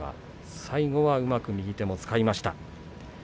最後はうまく右手も使いました。